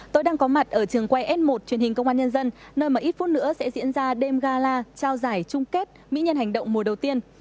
tôi đang có mặt ở trường quay s một truyền hình công an nhân dân nơi mà ít phút nữa sẽ diễn ra đêm gala trao giải chung kết mỹ nhân hành động mùa đầu tiên